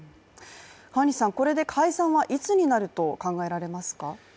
これで解散はいつになると考えられますか？